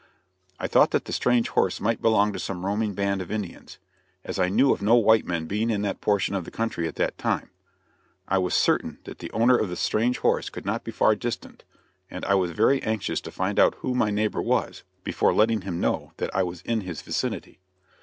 I thought that the strange horse might belong to some roaming band of Indians, as I knew of no white men being in that portion of the country at that time. I was certain that the owner of the strange horse could not be far distant, and I was very anxious to find out who my neighbor was, before letting him know that I was in his vicinity.